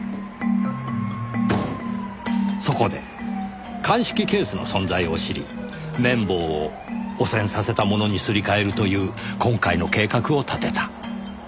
そこで鑑識ケースの存在を知り綿棒を汚染させたものにすり替えるという今回の計画を立てた。